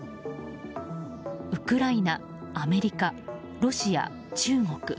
ウクライナ、アメリカロシア、中国。